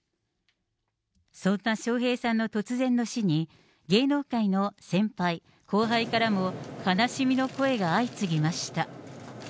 そんな笑瓶さんの突然の死に、芸能界の先輩、後輩からも、悲しみの声が相次ぎました。